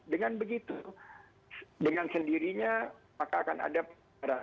dengan begitu dengan sendirinya maka akan ada